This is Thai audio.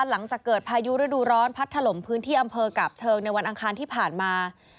หลังจากเกิดพายุฤดูร้อนพัดถล่มพื้นที่อำเภอกาบเชิงในวันอังคารที่ผ่านมา